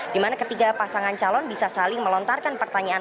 di mana ketiga pasangan calon bisa saling melontarkan pertanyaan